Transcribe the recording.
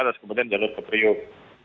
dan kemudian jalur kepriuk